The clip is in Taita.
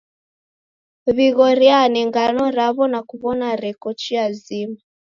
W'ighoriane ngano raw'o na kuw'ona reko chia zima.